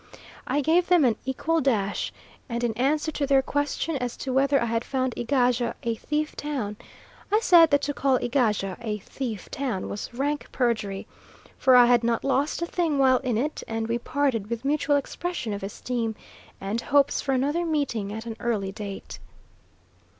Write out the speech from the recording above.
I gave them an equal dash, and in answer to their question as to whether I had found Egaja a thief town, I said that to call Egaja a thief town was rank perjury, for I had not lost a thing while in it; and we parted with mutual expression of esteem and hopes for another meeting at an early date.